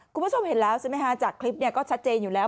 คุณผู้ชมเห็นแล้วจากคลิปก็ชัดเจนอยู่แล้ว